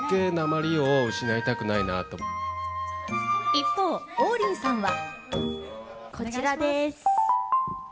一方、王林さんは。